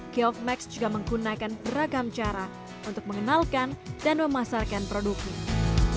geof max juga menggunakan beragam cara untuk mengenalkan dan memasarkan produknya